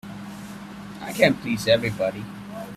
I can't please everybody.